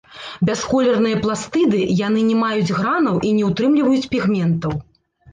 Бясколерныя пластыды, яны не маюць гранаў і не ўтрымліваюць пігментаў.